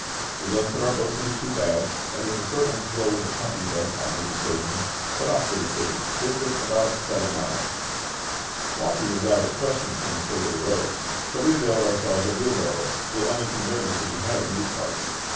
We then put our books into two bags, and with a servant who always accompanied us on these occasions, set off for the city, distant about seven miles. Walking was out of the question, from the state of the roads, so we availed ourselves of wheel barrows, the only conveyance to be had in these parts.